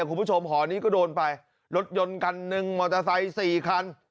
คุณผู้ชมหอนี้ก็โดนไปรถยนต์กัน๑มอเตอร์ไทย๔คัน